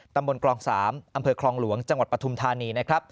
ตำบลกลอง๓อำเภอคลองหลวงจังหวัดปทุมธานี